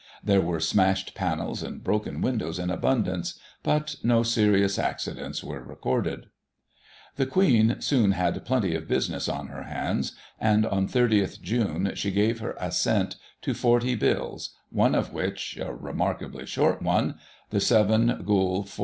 There were smashed panels and broken windows in abimdance, but no serious accidents were recorded. The Queen soon had plenty of business on her hands, and on 30th June she gave her assent to forty Bills, one of which (a remarkably short one), the 7 GuL, iv.